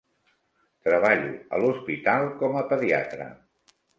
Treballo a l'hospital com a pediatra.